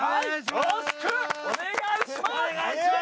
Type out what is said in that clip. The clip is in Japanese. よろしくお願いします！